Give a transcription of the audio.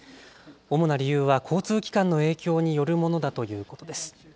主な理由は交通機関の影響によるものだということです。